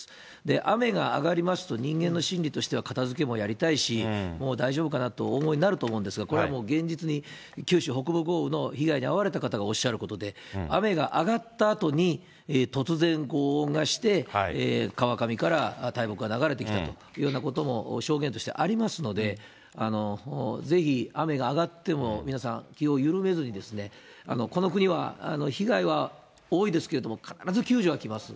雨が上がりますと、人間の心理としては、片づけもやりたいし、もう大丈夫かなとお思いになるんですが、これはもう現実に九州北部豪雨の被害に遭われた方がおっしゃることで、雨が上がったあとに突然ごう音がして、川上から大木が流れてきたというようなことも証言としてありますので、ぜひ雨が上がっても皆さん気を緩めずに、この国は被害は多いですけど、必ず救助は来ます。